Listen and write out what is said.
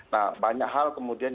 nah banyak hal kemudian